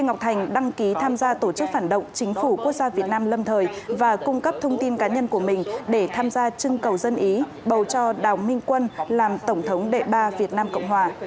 nguyễn ngọc thành đăng ký tham gia tổ chức phản động chính phủ quốc gia việt nam lâm thời và cung cấp thông tin cá nhân của mình để tham gia trưng cầu dân ý bầu cho đào minh quân làm tổng thống đệ ba việt nam cộng hòa